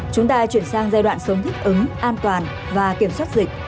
chúng ta chuyển sang giai đoạn sống thích ứng an toàn và kiểm soát dịch